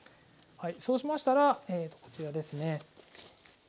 はいそうしましたらこちらですね。